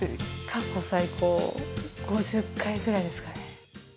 過去最高、５０回ぐらいですかね。